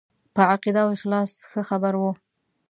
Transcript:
په عقیده او اخلاص ښه خبر وو.